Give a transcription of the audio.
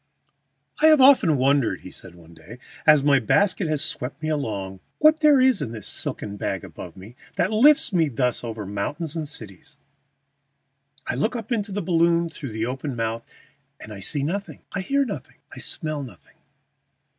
] "I have often wondered," he said one day, "as my basket has swept me along, what there is in this silken bag above me that lifts me thus over mountains and cities. I look up into the balloon through the open mouth, and I see nothing; I hear nothing; I smell nothing.